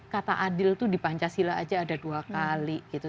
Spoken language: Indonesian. kata adil itu di pancasila aja ada dua kali gitu